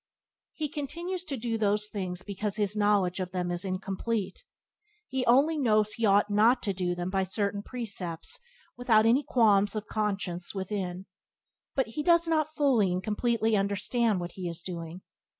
He continues to do those things because his knowledge of them is incomplete. He only knows he ought not to do them by certain precepts without any qualms of conscience within, but he does not fully and completely understand what he is doing.